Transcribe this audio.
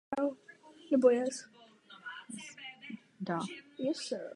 Santa Casa měla též samostatný vstup z náměstí cestou podle kostelní zdi.